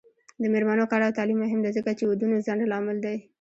د میرمنو کار او تعلیم مهم دی ځکه چې ودونو ځنډ لامل دی.